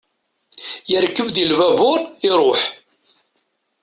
Yerkeb di lbabur, iruḥ.